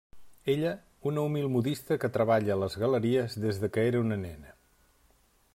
Ella, una humil modista que treballa a les galeries des que era una nena.